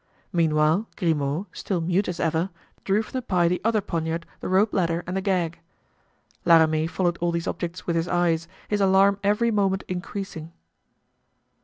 Meanwhile, Grimaud, still mute as ever, drew from the pie the other poniard, the rope ladder and the gag. La Ramee followed all these objects with his eyes, his alarm every moment increasing.